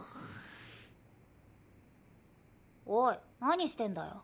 おい何してんだよ。